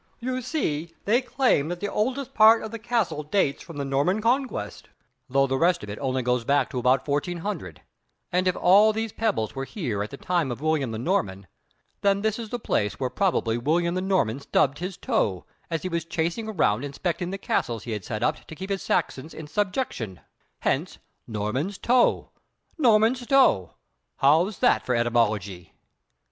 You see they claim that the oldest part of the castle dates from the Norman Conquest, though the rest of it only goes back to about 1400, and if all these pebbles were here at the time of William the Norman, then this is the place where probably William the Norman stubbed his toe, as he was chasing around inspecting the castles he had set up to keep the Saxons in subjection, hence, Norman's toe, Normanstow! How's that for etymology?"